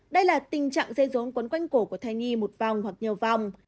đây là tình trạng dây rốn quấn quanh cổ của thai nhi một vòng hoặc nhiều vòng